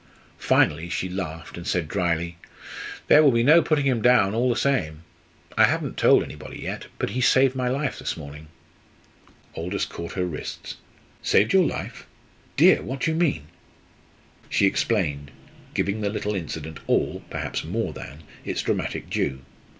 Finally she laughed, and said drily: "There will be no putting him down all the same. I haven't told anybody yet, but he saved my life this morning." Aldous caught her wrists. "Saved your life! Dear What do you mean?" She explained, giving the little incident all perhaps more than its dramatic due.